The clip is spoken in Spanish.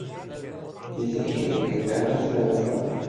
dicen que... quien canta, su mal espanta.